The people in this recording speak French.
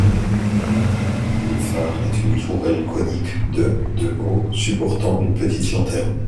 Le phare est une tourelle conique de de haut, supportant une petite lanterne.